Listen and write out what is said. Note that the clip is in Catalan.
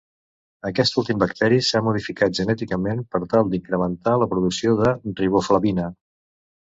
Aquest últim bacteri s'ha modificat genèticament per tal d'incrementar la producció de riboflavina.